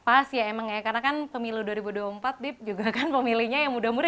pas ya emang ya karena kan pemilu dua ribu dua puluh empat diep juga kan pemilihnya yang muda murid